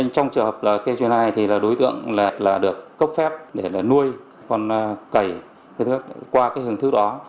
trong trường hợp là cây chuyên này thì đối tượng được cấp phép để nuôi con cầy qua hình thức đó